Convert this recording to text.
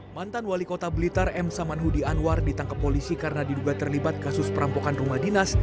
mantan wali kota blitar m samanhudi anwar ditangkap polisi karena diduga terlibat kasus perampokan rumah dinas